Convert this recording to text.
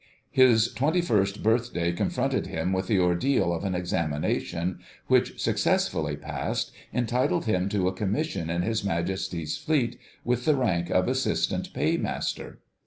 His twenty first birthday confronted him with the ordeal of an examination, which, successfully passed, entitled him to a commission in His Majesty's Fleet with the rank of Assistant Paymaster.